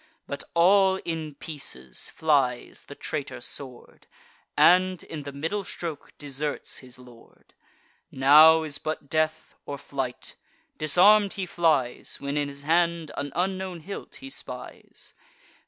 But all in pieces flies the traitor sword, And, in the middle stroke, deserts his lord. Now is but death, or flight; disarm'd he flies, When in his hand an unknown hilt he spies.